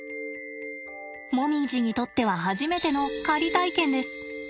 もみじにとっては初めての狩り体験です。